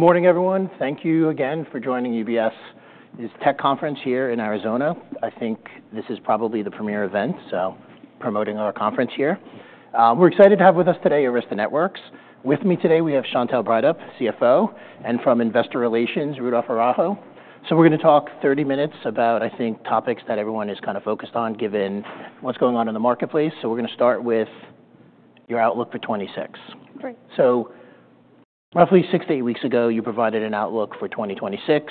Good morning, everyone. Thank you again for joining UBS's Tech Conference here in Arizona. I think this is probably the premier event, promoting our conference here. We're excited to have with us today Arista Networks. With me today, we have Chantelle Breithaupt, CFO, and from Investor Relations, Rudolph Araujo. We're going to talk 30 minutes about, I think, topics that everyone is kind of focused on given what's going on in the marketplace. We're going to start with your outlook for 2026. Great. Roughly six to eight weeks ago, you provided an outlook for 2026.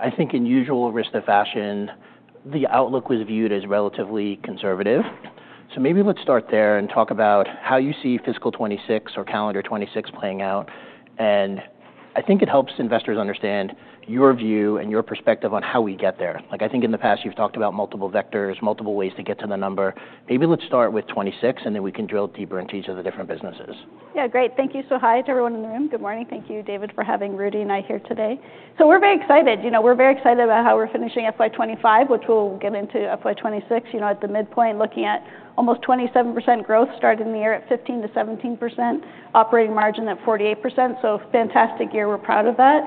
I think in usual Arista fashion, the outlook was viewed as relatively conservative. Maybe let's start there and talk about how you see fiscal 2026 or calendar 2026 playing out. I think it helps investors understand your view and your perspective on how we get there. Like, I think in the past, you've talked about multiple vectors, multiple ways to get to the number. Maybe let's start with 2026, and then we can drill deeper into each of the different businesses. Yeah, great. Thank you. Hi to everyone in the room. Good morning. Thank you, David, for having Rudy and I here today. We're very excited. You know, we're very excited about how we're finishing FY25, which we'll get into FY26, you know, at the midpoint, looking at almost 27% growth, starting the year at 15-17%, operating margin at 48%. Fantastic year. We're proud of that.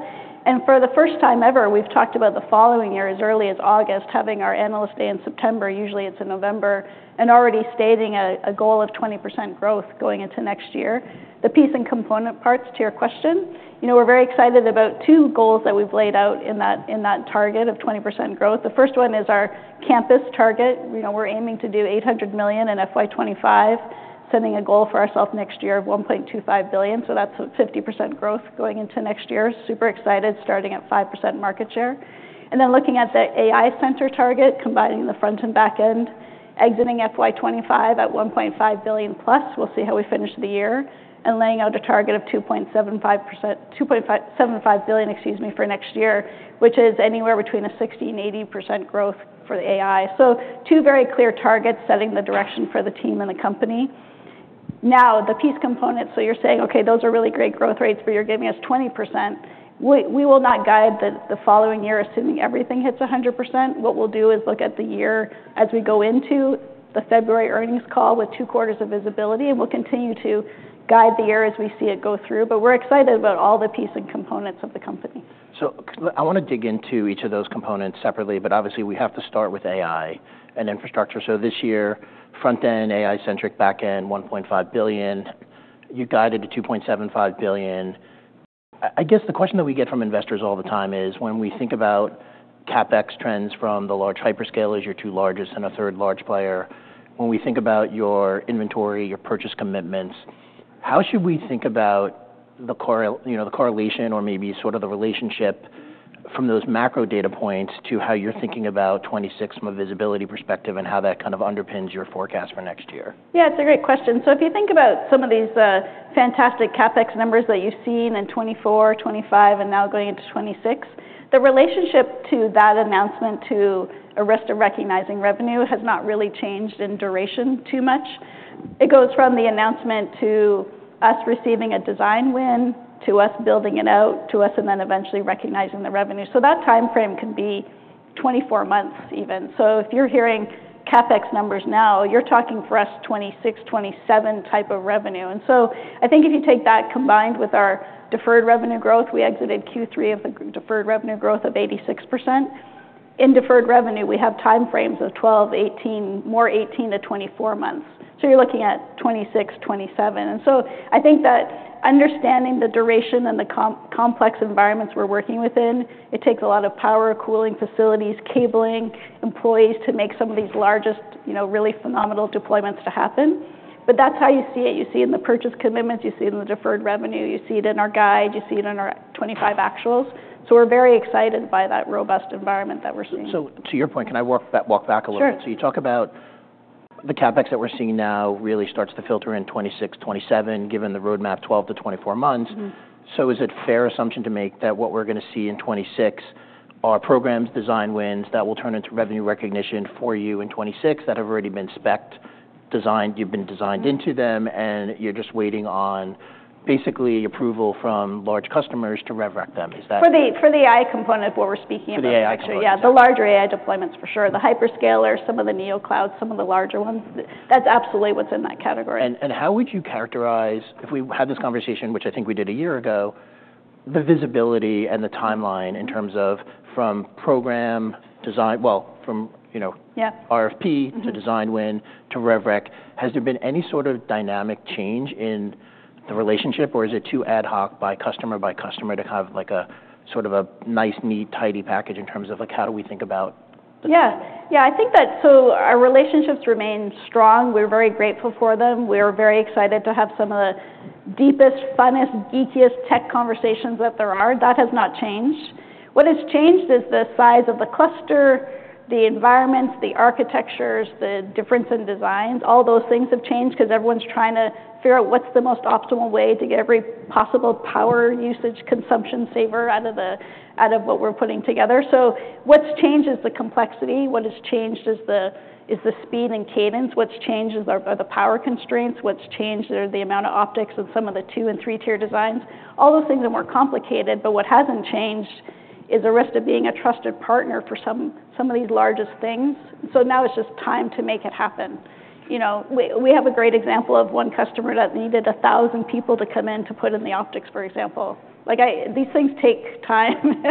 For the first time ever, we've talked about the following year as early as August, having our analyst day in September. Usually, it's in November, and already stating a goal of 20% growth going into next year. The piece and component parts to your question, you know, we're very excited about two goals that we've laid out in that target of 20% growth. The first one is our campus target. You know, we're aiming to do $800 million in FY25, setting a goal for ourselves next year of $1.25 billion. That's 50% growth going into next year. Super excited, starting at 5% market share. Looking at the AI center target, combining the front and back end, exiting FY25 at $1.5 billion plus. We'll see how we finish the year and laying out a target of $2.75 billion, excuse me, for next year, which is anywhere between 60-80% growth for the AI. Two very clear targets, setting the direction for the team and the company. Now, the piece component. You're saying, okay, those are really great growth rates, but you're giving us 20%. We will not guide the following year, assuming everything hits 100%. What we'll do is look at the year as we go into the February earnings call with two quarters of visibility, and we'll continue to guide the year as we see it go through. We're excited about all the piece and components of the company. I want to dig into each of those components separately, but obviously we have to start with AI and infrastructure. This year, front end, AI centric, back end, $1.5 billion. You guided to $2.75 billion. I guess the question that we get from investors all the time is when we think about CapEx trends from the large hyperscalers, your two largest and a third large player, when we think about your inventory, your purchase commitments, how should we think about the correlation or maybe sort of the relationship from those macro data points to how you're thinking about 2026 from a visibility perspective and how that kind of underpins your forecast for next year? Yeah, it's a great question. If you think about some of these fantastic CapEx numbers that you've seen in 2024, 2025, and now going into 2026, the relationship to that announcement to Arista recognizing revenue has not really changed in duration too much. It goes from the announcement to us receiving a design win, to us building it out, to us and then eventually recognizing the revenue. That timeframe can be 24 months even. If you're hearing CapEx numbers now, you're talking for us 2026, 2027 type of revenue. I think if you take that combined with our deferred revenue growth, we exited Q3 of the deferred revenue growth of 86%. In deferred revenue, we have timeframes of 12, 18, more 18-24 months. You're looking at 2026, 2027. I think that understanding the duration and the complex environments we're working within, it takes a lot of power, cooling facilities, cabling, employees to make some of these largest, you know, really phenomenal deployments to happen. That is how you see it. You see it in the purchase commitments, you see it in the deferred revenue, you see it in our guide, you see it in our 2025 actuals. We are very excited by that robust environment that we're seeing. To your point, can I walk that walk back a little bit? Sure. You talk about the CapEx that we're seeing now really starts to filter in 2026, 2027, given the roadmap, 12 to 24 months. Is it a fair assumption to make that what we're going to see in 2026 are programs, design wins that will turn into revenue recognition for you in 2026 that have already been specced, designed, you've been designed into them, and you're just waiting on basically approval from large customers to rev rec them? Is that? For the AI component, what we're speaking about. For the AI component. Yeah, the larger AI deployments for sure. The hyperscalers, some of the NeoCloud, some of the larger ones. That's absolutely what's in that category. How would you characterize, if we had this conversation, which I think we did a year ago, the visibility and the timeline in terms of from program design, well, from, you know, RFP to design win to rev rec? Has there been any sort of dynamic change in the relationship, or is it too ad hoc by customer by customer to have like a sort of a nice, neat, tidy package in terms of like how do we think about? Yeah, yeah, I think that our relationships remain strong. We're very grateful for them. We're very excited to have some of the deepest, funnest, geekiest tech conversations that there are. That has not changed. What has changed is the size of the cluster, the environments, the architectures, the difference in designs. All those things have changed because everyone's trying to figure out what's the most optimal way to get every possible power usage consumption saver out of what we're putting together. What's changed is the complexity. What has changed is the speed and cadence. What's changed are the power constraints. What's changed are the amount of optics in some of the two and three tier designs. All those things are more complicated, but what hasn't changed is Arista being a trusted partner for some of these largest things. Now it's just time to make it happen. You know, we have a great example of one customer that needed a thousand people to come in to put in the optics, for example. Like these things take time,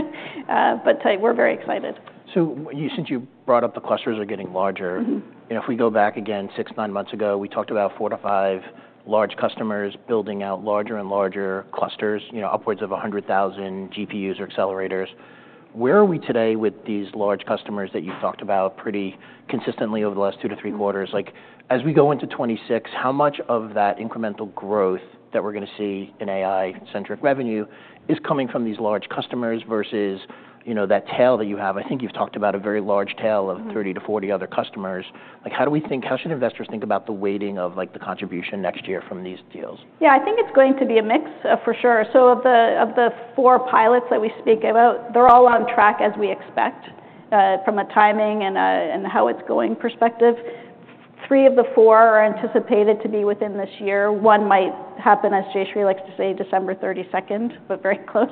but we're very excited. Since you brought up the clusters are getting larger, you know, if we go back again six, nine months ago, we talked about four to five large customers building out larger and larger clusters, you know, upwards of 100,000 GPUs or accelerators. Where are we today with these large customers that you've talked about pretty consistently over the last two to three quarters? Like as we go into 2026, how much of that incremental growth that we're going to see in AI centric revenue is coming from these large customers versus, you know, that tail that you have? I think you've talked about a very large tail of 30 to 40 other customers. Like how do we think, how should investors think about the weighting of like the contribution next year from these deals? Yeah, I think it's going to be a mix for sure. Of the four pilots that we speak about, they're all on track as we expect from a timing and how it's going perspective. Three of the four are anticipated to be within this year. One might happen, as Jayshree likes to say, December 32nd, but very close.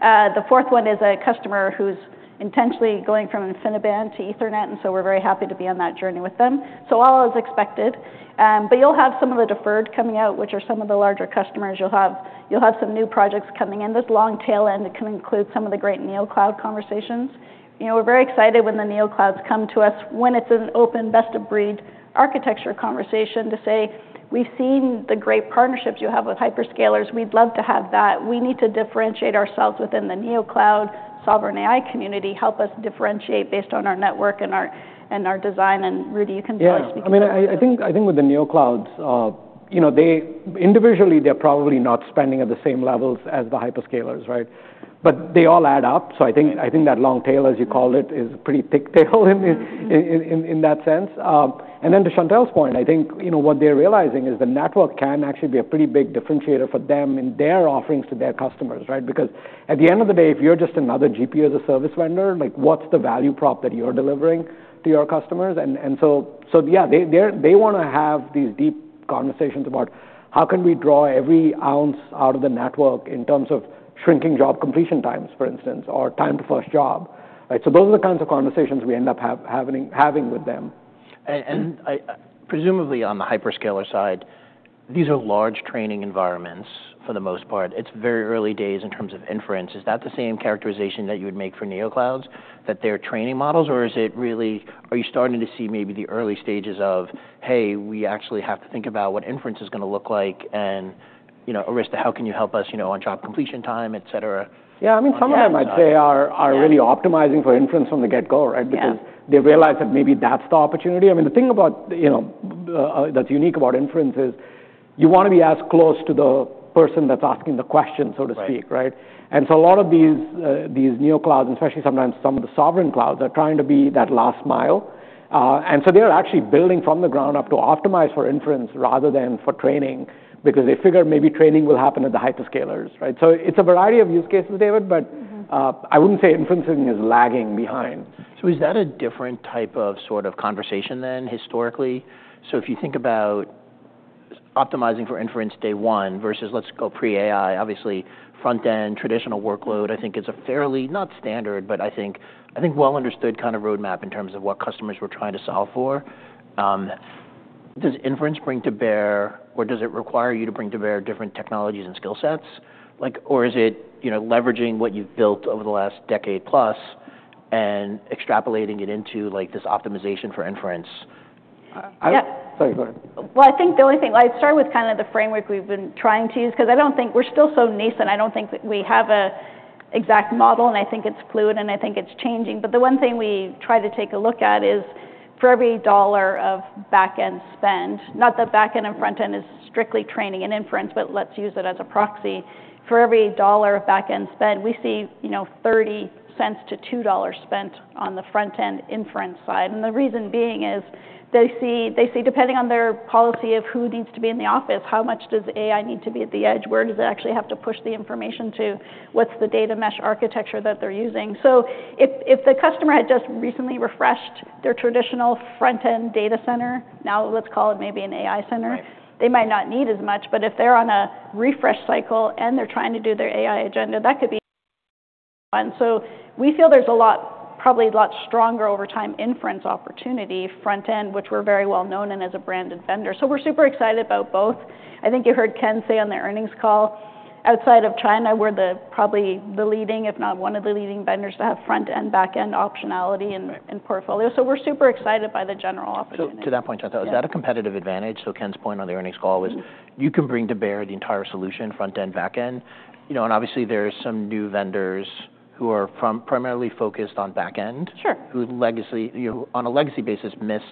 The fourth one is a customer who's intentionally going from InfiniBand to Ethernet, and so we're very happy to be on that journey with them. All is expected. You'll have some of the deferred coming out, which are some of the larger customers. You'll have some new projects coming in. This long tail end can include some of the great NeoCloud conversations. You know, we're very excited when the NeoClouds come to us, when it's an open best of breed architecture conversation to say, we've seen the great partnerships you have with hyperscalers. We'd love to have that. We need to differentiate ourselves within the NeoCloud sovereign AI community. Help us differentiate based on our network and our design. And Rudy, you can probably speak of that. Yeah, I mean, I think with the NeoClouds, you know, they individually, they're probably not spending at the same levels as the hyperscalers, right? They all add up. I think that long tail, as you called it, is a pretty thick tail in that sense. Then to Chantelle's point, I think, you know, what they're realizing is the network can actually be a pretty big differentiator for them in their offerings to their customers, right? Because at the end of the day, if you're just another GPU as a service vendor, like what's the value prop that you're delivering to your customers? Yeah, they want to have these deep conversations about how can we draw every ounce out of the network in terms of shrinking job completion times, for instance, or time to first job, right? Those are the kinds of conversations we end up having with them. Presumably on the hyperscaler side, these are large training environments for the most part. It's very early days in terms of inference. Is that the same characterization that you would make for NeoClouds, that they're training models, or is it really, are you starting to see maybe the early stages of, hey, we actually have to think about what inference is going to look like? You know, Arista, how can you help us, you know, on job completion time, et cetera? Yeah, I mean, some of them I'd say are really optimizing for inference from the get-go, right? Because they realize that maybe that's the opportunity. I mean, the thing about, you know, that's unique about inference is you want to be as close to the person that's asking the question, so to speak, right? A lot of these NeoClouds, and especially sometimes some of the sovereign clouds, are trying to be that last mile. They are actually building from the ground up to optimize for inference rather than for training because they figure maybe training will happen at the hyperscalers, right? It's a variety of use cases, David, but I wouldn't say inferencing is lagging behind. Is that a different type of sort of conversation than historically? If you think about optimizing for inference day one versus let's go pre-AI, obviously front end, traditional workload, I think it's a fairly, not standard, but I think well understood kind of roadmap in terms of what customers were trying to solve for. Does inference bring to bear, or does it require you to bring to bear different technologies and skill sets? Like, or is it, you know, leveraging what you've built over the last decade plus and extrapolating it into like this optimization for inference? Yeah. Sorry, go ahead. I think the only thing, I'd start with kind of the framework we've been trying to use because I don't think we're still so nascent. I don't think we have an exact model, and I think it's fluid, and I think it's changing. The one thing we try to take a look at is for every dollar of backend spend, not that backend and frontend is strictly training and inference, but let's use it as a proxy. For every dollar of backend spend, we see, you know, $0.30 to $2 spent on the frontend inference side. The reason being is they see, depending on their policy of who needs to be in the office, how much does AI need to be at the edge? Where does it actually have to push the information to? What's the data mesh architecture that they're using? If the customer had just recently refreshed their traditional frontend data center, now let's call it maybe an AI center, they might not need as much, but if they're on a refresh cycle and they're trying to do their AI agenda, that could be one. We feel there's a lot, probably a lot stronger over time inference opportunity frontend, which we're very well known in as a branded vendor. We're super excited about both. I think you heard Ken say on the earnings call, outside of China, we're probably the leading, if not one of the leading vendors to have frontend, backend optionality in portfolio. We're super excited by the general opportunity. To that point, Chantelle, is that a competitive advantage? Ken's point on the earnings call is you can bring to bear the entire solution, frontend, backend. You know, and obviously there are some new vendors who are primarily focused on backend, who, on a legacy basis, missed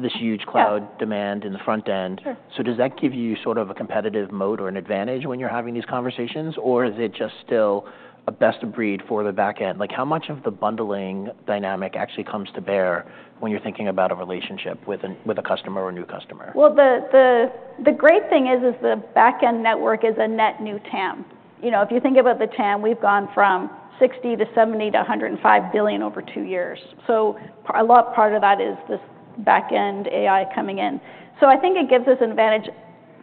this huge cloud demand in the frontend. Does that give you sort of a competitive moat or an advantage when you're having these conversations, or is it just still a best of breed for the backend? Like how much of the bundling dynamic actually comes to bear when you're thinking about a relationship with a customer or a new customer? The great thing is, the backend network is a net new TAM. You know, if you think about the TAM, we've gone from $60 billion to $70 billion to $105 billion over two years. A lot part of that is this backend AI coming in. I think it gives us an advantage.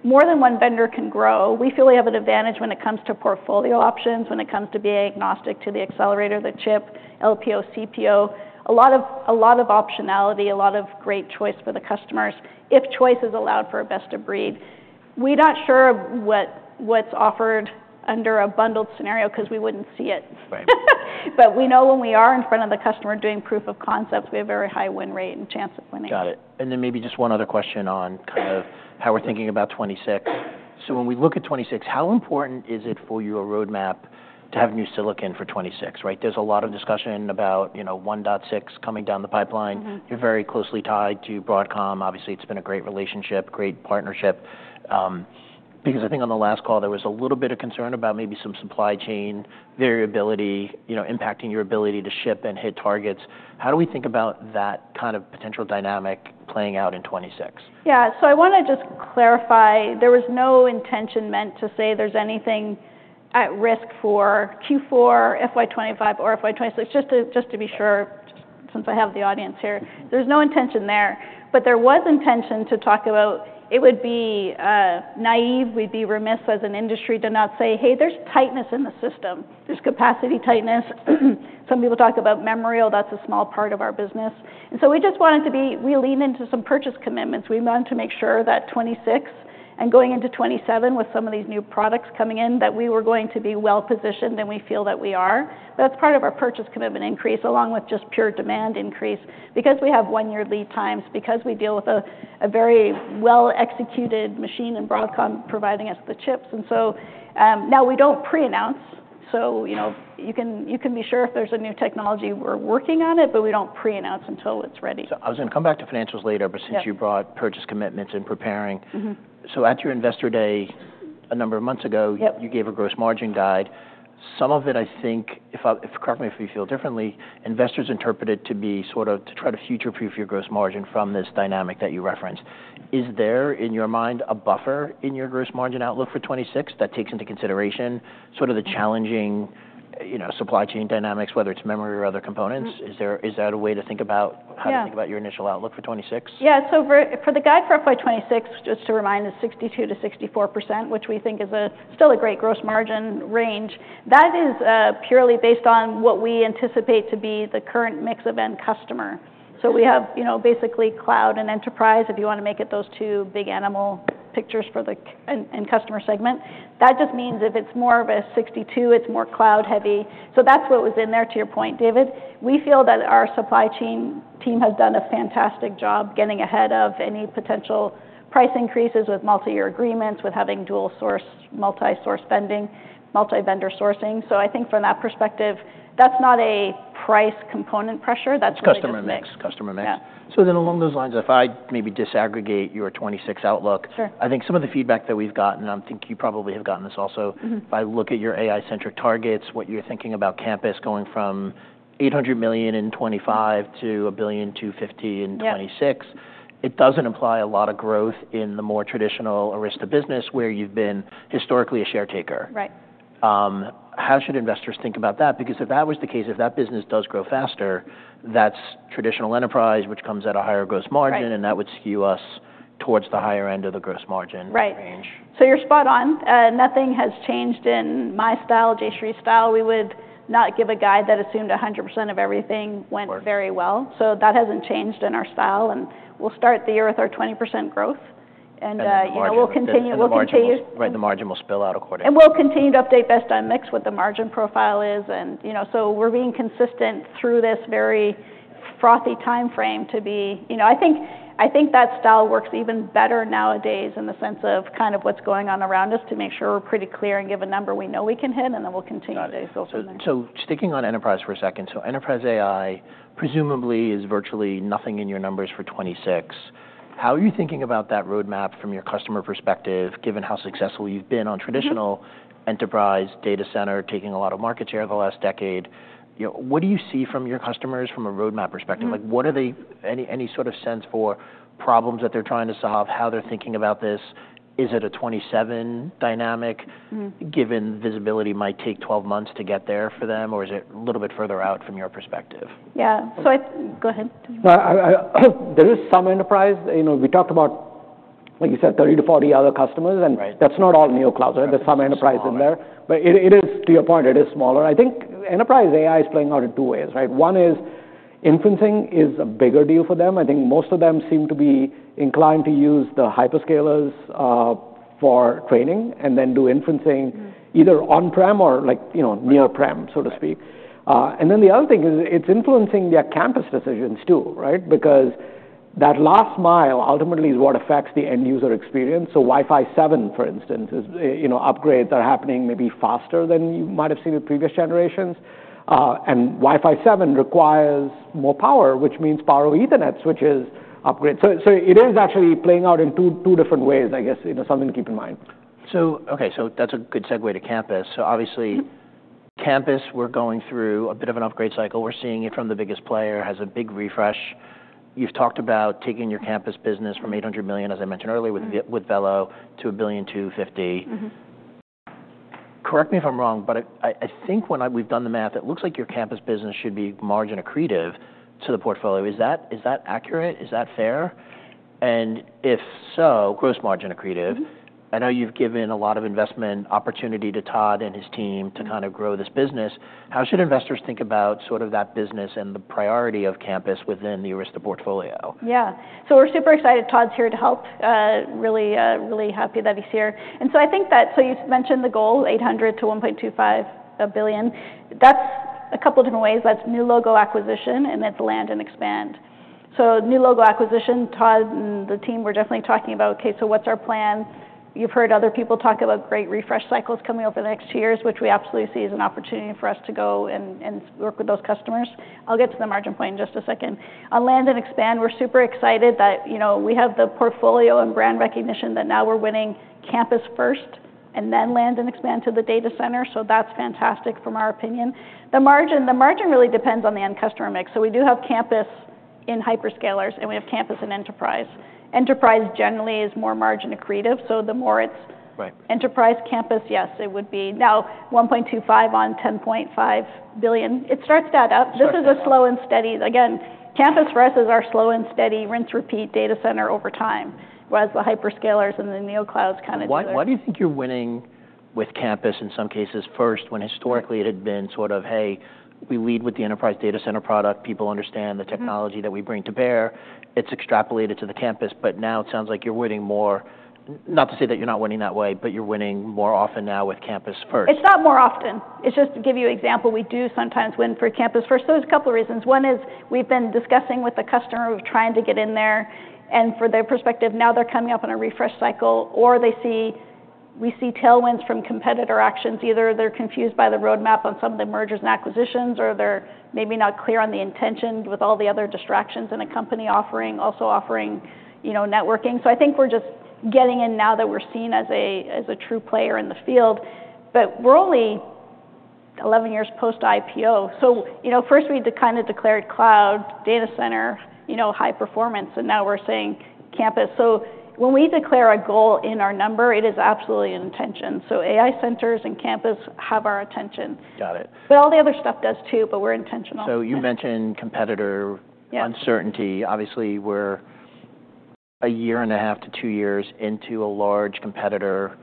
More than one vendor can grow. We feel we have an advantage when it comes to portfolio options, when it comes to being agnostic to the accelerator, the chip, LPO, CPO. A lot of optionality, a lot of great choice for the customers, if choice is allowed for a best of breed. We're not sure what's offered under a bundled scenario because we wouldn't see it. We know when we are in front of the customer doing proof of concept, we have a very high win rate and chance of winning. Got it. Maybe just one other question on kind of how we're thinking about 2026. When we look at 2026, how important is it for your roadmap to have new silicon for 2026, right? There is a lot of discussion about, you know, 1.6 coming down the pipeline. You're very closely tied to Broadcom. Obviously, it's been a great relationship, great partnership. I think on the last call, there was a little bit of concern about maybe some supply chain variability, you know, impacting your ability to ship and hit targets. How do we think about that kind of potential dynamic playing out in 2026? Yeah, I want to just clarify. There was no intention meant to say there's anything at risk for Q4, FY25, or FY26. Just to be sure, since I have the audience here, there's no intention there. There was intention to talk about it would be naive, we'd be remiss as an industry to not say, hey, there's tightness in the system. There's capacity tightness. Some people talk about memorial. That's a small part of our business. We just wanted to be, we leaned into some purchase commitments. We wanted to make sure that 2026 and going into 2027 with some of these new products coming in, that we were going to be well positioned and we feel that we are. That's part of our purchase commitment increase along with just pure demand increase because we have one-year lead times, because we deal with a very well-executed machine and Broadcom providing us the chips. You know, we don't pre-announce. You know, you can be sure if there's a new technology we're working on it, but we don't pre-announce until it's ready. I was going to come back to financials later, but since you brought purchase commitments and preparing. At your investor day a number of months ago, you gave a gross margin guide. Some of it, I think, if correct me if you feel differently, investors interpret it to be sort of to try to future-proof your gross margin from this dynamic that you referenced. Is there in your mind a buffer in your gross margin outlook for 2026 that takes into consideration sort of the challenging, you know, supply chain dynamics, whether it's memory or other components? Is there a way to think about how to think about your initial outlook for 2026? Yeah, so for the guide for FY26, just to remind, is 62-64%, which we think is still a great gross margin range. That is purely based on what we anticipate to be the current mix of end customer. So we have, you know, basically cloud and enterprise, if you want to make it those two big animal pictures for the end customer segment. That just means if it's more of a 62, it's more cloud-heavy. So that's what was in there to your point, David. We feel that our supply chain team has done a fantastic job getting ahead of any potential price increases with multi-year agreements, with having dual source, multi-source vending, multi-vendor sourcing. I think from that perspective, that's not a price component pressure. Customer mix, customer mix. Going along these lines, if I maybe disaggregate your 2026 outlook, I think some of the feedback that we've gotten, and I think you probably have gotten this also, if I look at your AI-centric targets, what you're thinking about campus going from $800 million in 2025 to $1.25 billion in 2026, it does not imply a lot of growth in the more traditional Arista business where you've been historically a share taker. Right. How should investors think about that? Because if that was the case, if that business does grow faster, that's traditional enterprise, which comes at a higher gross margin, and that would skew us towards the higher end of the gross margin range. Right. You are spot on. Nothing has changed in my style, Jayshree's style. We would not give a guide that assumed 100% of everything went very well. That has not changed in our style. We will start the year with our 20% growth. We will continue. Right, the margin will spill out accordingly. We will continue to update best on mix what the margin profile is. You know, we are being consistent through this very frothy timeframe to be, you know, I think that style works even better nowadays in the sense of kind of what is going on around us to make sure we are pretty clear and give a number we know we can hit, and then we will continue to build from there. Sticking on enterprise for a second, enterprise AI presumably is virtually nothing in your numbers for 2026. How are you thinking about that roadmap from your customer perspective, given how successful you've been on traditional enterprise data center, taking a lot of market share the last decade? You know, what do you see from your customers from a roadmap perspective? Like, what are they any sort of sense for problems that they're trying to solve, how they're thinking about this? Is it a 2027 dynamic given visibility might take 12 months to get there for them, or is it a little bit further out from your perspective? Yeah. Go ahead. There is some enterprise, you know, we talked about, like you said, 30-40 other customers, and that's not all NeoClouds, right? There's some enterprise in there. It is, to your point, it is smaller. I think enterprise AI is playing out in two ways, right? One is inferencing is a bigger deal for them. I think most of them seem to be inclined to use the hyperscalers for training and then do inferencing either on-prem or, like, you know, near-prem, so to speak. The other thing is it's influencing their campus decisions too, right? Because that last mile ultimately is what affects the end user experience. Wi-Fi 7, for instance, is, you know, upgrades are happening maybe faster than you might have seen with previous generations. Wi-Fi 7 requires more power, which means power of Ethernet switches upgrade. It is actually playing out in two different ways, I guess, you know, something to keep in mind. Okay, that's a good segue to campus. Obviously campus, we're going through a bit of an upgrade cycle. We're seeing it from the biggest player, has a big refresh. You've talked about taking your campus business from $800 million, as I mentioned earlier with Velo, to $1 billion to $50billion. Correct me if I'm wrong, but I think when we've done the math, it looks like your campus business should be margin accretive to the portfolio. Is that accurate? Is that fair? And if so, gross margin accretive. I know you've given a lot of investment opportunity to Todd and his team to kind of grow this business. How should investors think about sort of that business and the priority of campus within the Arista portfolio? Yeah. We are super excited. Todd is here to help. Really, really happy that he is here. I think that, you mentioned the goal, $800 million to $1.25 billion. That is a couple different ways. That is new logo acquisition, and it is land and expand. New logo acquisition, Todd and the team were definitely talking about, okay, what is our plan? You have heard other people talk about great refresh cycles coming over the next two years, which we absolutely see as an opportunity for us to go and work with those customers. I will get to the margin point in just a second. On land and expand, we are super excited that, you know, we have the portfolio and brand recognition that now we are winning campus first and then land and expand to the data center. That is fantastic from our opinion. The margin, the margin really depends on the end customer mix. We do have campus in hyperscalers, and we have campus in enterprise. Enterprise generally is more margin accretive. The more it's enterprise, campus, yes, it would be now 1.25 on $10.5 billion. It starts that up. This is a slow and steady, again, campus for us is our slow and steady rinse-repeat data center over time, whereas the hyperscalers and the NeoClouds kind of do that. Why do you think you're winning with campus in some cases first when historically it had been sort of, hey, we lead with the enterprise data center product, people understand the technology that we bring to bear, it's extrapolated to the campus, but now it sounds like you're winning more, not to say that you're not winning that way, but you're winning more often now with campus first. It's not more often. It's just to give you an example, we do sometimes win for campus first. There's a couple of reasons. One is we've been discussing with the customer of trying to get in there, and from their perspective, now they're coming up on a refresh cycle, or they see, we see tailwinds from competitor actions. Either they're confused by the roadmap on some of the mergers and acquisitions, or they're maybe not clear on the intention with all the other distractions and a company offering, also offering, you know, networking. I think we're just getting in now that we're seen as a true player in the field. We're only 11 years post-IPO. You know, first we had to kind of declare cloud, data center, you know, high performance, and now we're saying campus. When we declare a goal in our number, it is absolutely an intention. AI centers and campus have our attention. Got it. All the other stuff does too, but we're intentional. You mentioned competitor uncertainty. Obviously, we're a year and a half to two years into a large competitor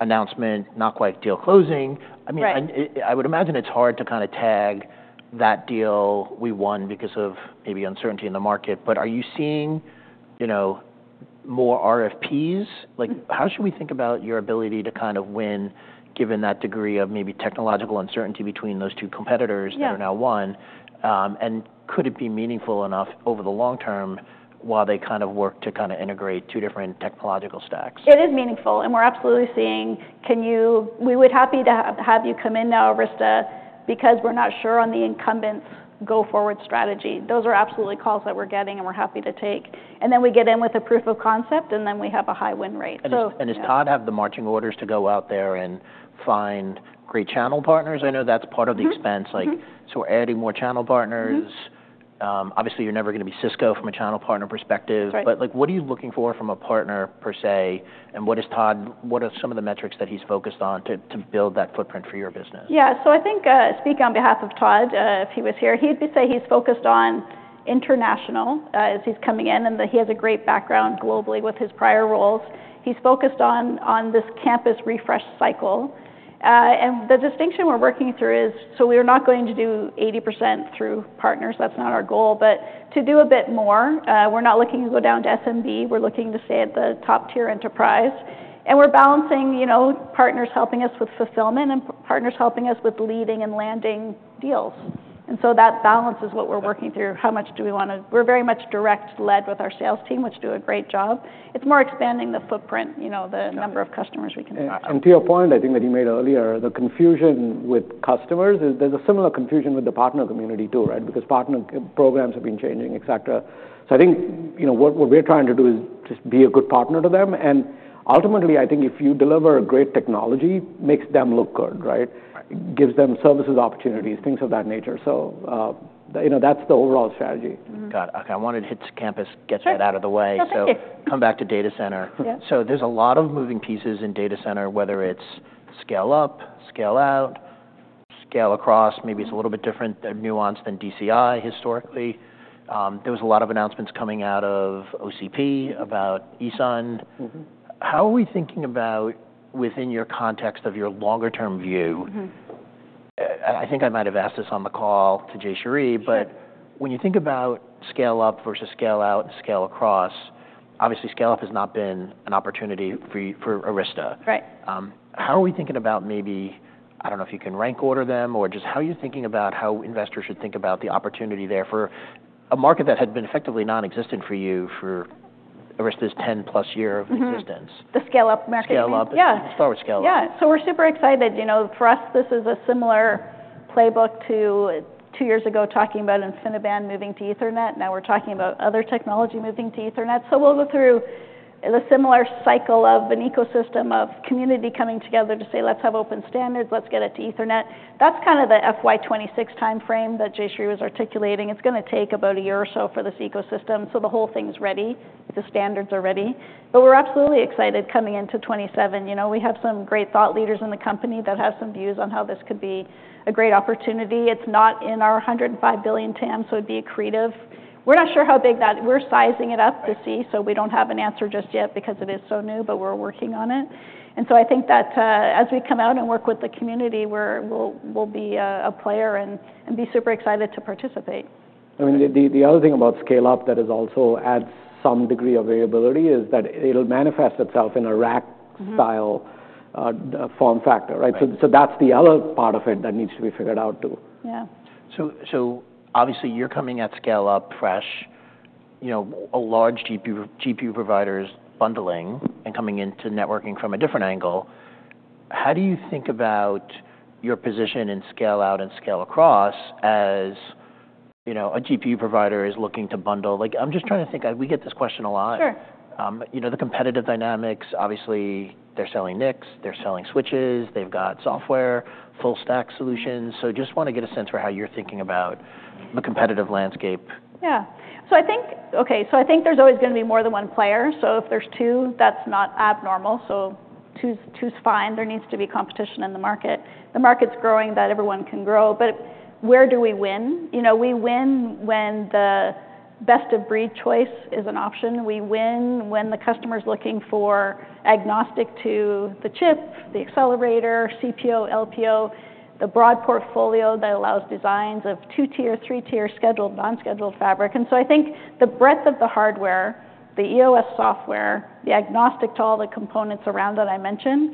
announcement, not quite deal closing. I mean, I would imagine it's hard to kind of tag that deal we won because of maybe uncertainty in the market, but are you seeing, you know, more RFPs? Like, how should we think about your ability to kind of win given that degree of maybe technological uncertainty between those two competitors that are now won? Could it be meaningful enough over the long term while they kind of work to kind of integrate two different technological stacks? It is meaningful, and we're absolutely seeing, can you, we would be happy to have you come in now, Arista, because we're not sure on the incumbents' go forward strategy. Those are absolutely calls that we're getting, and we're happy to take. We get in with a proof of concept, and then we have a high win rate. Does Todd have the marching orders to go out there and find great channel partners? I know that's part of the expense. Like, we're adding more channel partners. Obviously, you're never going to be Cisco from a channel partner perspective, but like, what are you looking for from a partner per se? What is Todd, what are some of the metrics that he's focused on to build that footprint for your business? Yeah, so I think speaking on behalf of Todd, if he was here, he'd say he's focused on international as he's coming in, and he has a great background globally with his prior roles. He's focused on this campus refresh cycle. The distinction we're working through is, we're not going to do 80% through partners. That's not our goal, but to do a bit more. We're not looking to go down to SMB. We're looking to stay at the top tier enterprise. We're balancing, you know, partners helping us with fulfillment and partners helping us with leading and landing deals. That balance is what we're working through. How much do we want to, we're very much direct-led with our sales team, which do a great job. It's more expanding the footprint, you know, the number of customers we can talk about. To your point, I think that you made earlier, the confusion with customers, there's a similar confusion with the partner community too, right? Because partner programs have been changing, et cetera. I think, you know, what we're trying to do is just be a good partner to them. Ultimately, I think if you deliver a great technology, it makes them look good, right? It gives them services opportunities, things of that nature. You know, that's the overall strategy. Got it. Okay, I wanted to hit campus, get that out of the way. Come back to data center. There's a lot of moving pieces in data center, whether it's scale up, scale out, scale across, maybe it's a little bit different nuance than DCI historically. There was a lot of announcements coming out of OCP about ESUN. How are we thinking about within your context of your longer-term view? I think I might have asked this on the call to Jayshree, but when you think about scale up versus scale out and scale across, obviously scale up has not been an opportunity for Arista. Right How are we thinking about maybe, I don't know if you can rank order them, or just how are you thinking about how investors should think about the opportunity there for a market that had been effectively nonexistent for you for Arista's 10 plus year of existence? The scale up market. Scale up, start with scale up. Yeah. So we're super excited. You know, for us, this is a similar playbook to two years ago talking about InfiniBand moving to Ethernet. Now we're talking about other technology moving to Ethernet. We go through the similar cycle of an ecosystem of community coming together to say, let's have open standards, let's get it to Ethernet. That's kind of the FY26 timeframe that Jayshree was articulating. It's going to take about a year or so for this ecosystem. The whole thing's ready. The standards are ready. We're absolutely excited coming into 2027. You know, we have some great thought leaders in the company that have some views on how this could be a great opportunity. It's not in our $105 billion TAM, so it'd be accretive. We're not sure how big that is, we're sizing it up to see, so we don't have an answer just yet because it is so new, but we're working on it. I think that as we come out and work with the community, we'll be a player and be super excited to participate. I mean, the other thing about scale up that also adds some degree of variability is that it'll manifest itself in a rack style form factor, right? So that's the other part of it that needs to be figured out too. Yeah. Obviously you're coming at scale up fresh, you know, a large GPU provider is bundling and coming into networking from a different angle. How do you think about your position in scale out and scale across as, you know, a GPU provider is looking to bundle? Like, I'm just trying to think, we get this question a lot. Sure. You know, the competitive dynamics, obviously they're selling NICs, they're selling switches, they've got software, full stack solutions. Just want to get a sense for how you're thinking about the competitive landscape. Yeah. I think there's always going to be more than one player. If there's two, that's not abnormal. Two's fine. There needs to be competition in the market. The market's growing that everyone can grow. Where do we win? You know, we win when the best of breed choice is an option. We win when the customer's looking for agnostic to the chip, the accelerator, CPO, LPO, the broad portfolio that allows designs of two-tier, three-tier scheduled, non-scheduled fabric. I think the breadth of the hardware, the EOS software, the agnostic to all the components around that I mentioned,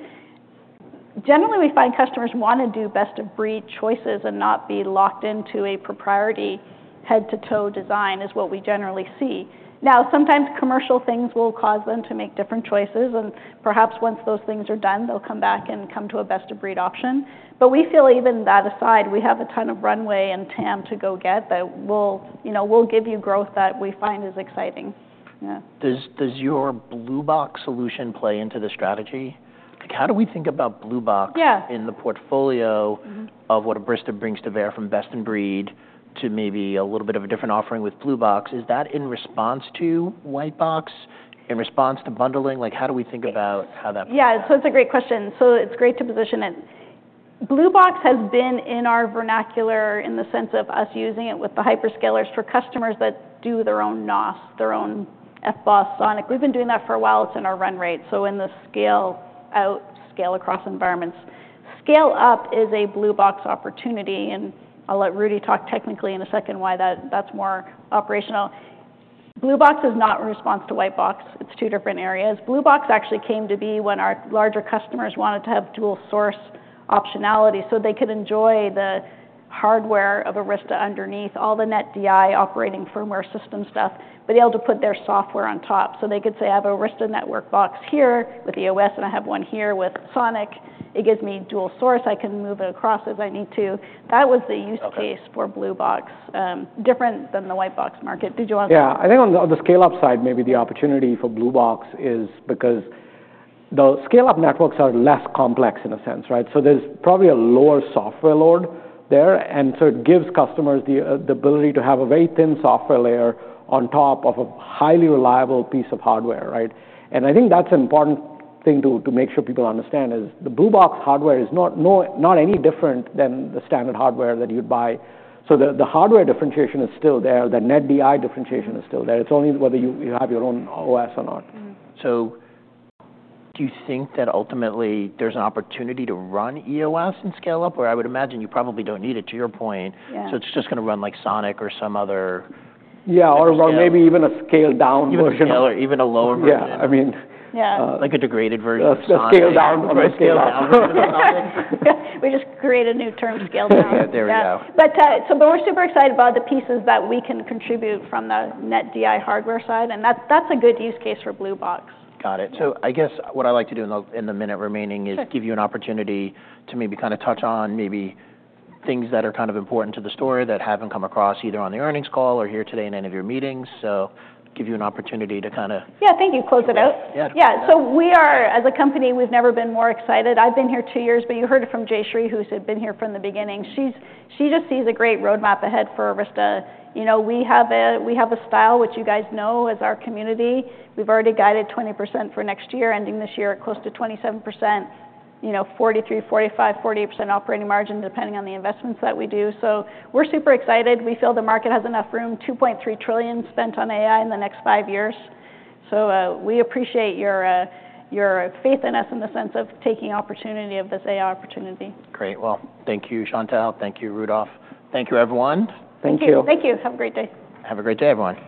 generally we find customers want to do best of breed choices and not be locked into a proprietary head-to-toe design is what we generally see. Now, sometimes commercial things will cause them to make different choices, and perhaps once those things are done, they'll come back and come to a best of breed option. We feel even that aside, we have a ton of runway and TAM to go get that will, you know, will give you growth that we find is exciting. Does your Blue Box solution play into the strategy? Like, how do we think about Blue Box in the portfolio of what Arista brings to bear from best in breed to maybe a little bit of a different offering with Blue Box? Is that in response to White Box, in response to bundling? Like, how do we think about how that plays? Yeah, so it's a great question. It's great to position it. Blue Box has been in our vernacular in the sense of us using it with the hyperscalers for customers that do their own NOS, their own FBOSS, SONIC. We've been doing that for a while. It's in our run rate. In the scale out, scale across environments. Scale up is a Blue Box opportunity. I'll let Rudy talk technically in a second why that's more operational. Blue Box is not in response to White Box. It's two different areas. Blue Box actually came to be when our larger customers wanted to have dual source optionality so they could enjoy the hardware of Arista underneath all the NetDI operating firmware system stuff, but be able to put their software on top. They could say, I have Arista network box here with EOS, and I have one here with SONIC. It gives me dual source. I can move it across as I need to. That was the use case for Blue Box, different than the White Box market. Did you want to? Yeah, I think on the scale up side, maybe the opportunity for Blue Box is because the scale up networks are less complex in a sense, right? There is probably a lower software load there. It gives customers the ability to have a very thin software layer on top of a highly reliable piece of hardware, right? I think that is an important thing to make sure people understand is the Blue Box hardware is not any different than the standard hardware that you would buy. The hardware differentiation is still there. The NetDI differentiation is still there. It is only whether you have your own OS or not. Do you think that ultimately there's an opportunity to run EOS and scale up? Or I would imagine you probably don't need it to your point. It's just going to run like SONIC or some other. Yeah, or maybe even a scaled-down version. Even a lower version. Yeah, I mean. Like a degraded version of SONIC. A scaled down version of SONIC. We just create a new term scale down. There we go. We are super excited about the pieces that we can contribute from the NetDI hardware side. That is a good use case for Blue Box. Got it. I guess what I'd like to do in the minute remaining is give you an opportunity to maybe kind of touch on maybe things that are kind of important to the story that have not come across either on the earnings call or here today in any of your meetings. I give you an opportunity to kind of. Yeah, thank you. Close it out. Yeah, so we are as a company, we've never been more excited. I've been here two years, but you heard it from Jayshree, who's been here from the beginning. She just sees a great roadmap ahead for Arista. You know, we have a style which you guys know as our community. We've already guided 20% for next year, ending this year at close to 27%, you know, 43-45-48% operating margin depending on the investments that we do. We're super excited. We feel the market has enough room, $2.3 trillion spent on AI in the next five years. We appreciate your faith in us in the sense of taking opportunity of this AI opportunity. Great. Thank you, Chantelle. Thank you, Rudolph. Thank you, everyone. Thank you. Thank you. Have a great day. Have a great day, everyone.